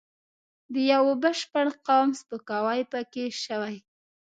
د یوه بشپړ قوم سپکاوی پکې شوی.